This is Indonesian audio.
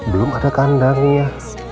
belum ada kandangnya